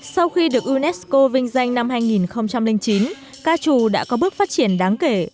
sau khi được unesco vinh danh năm hai nghìn chín ca trù đã có bước phát triển đáng kể